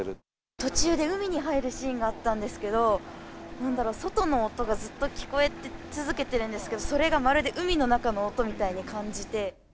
途中で海に入るシーンがあったんですけど、なんだろう、外の音がずっと聞こえ続けてるんですけど、それがまるで海の中の音みたいに感じて。